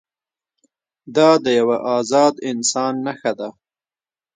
دا د یوه ازاد انسان نښه ده.